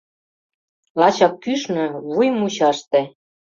Лачак кӱшнӧ, вуй мучаште